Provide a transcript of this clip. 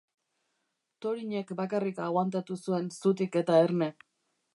Thorinek bakarrik agoantatu zuen zutik eta erne.